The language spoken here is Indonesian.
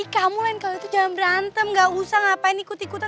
kamu lain kalau itu jangan berantem gak usah ngapain ikut ikutan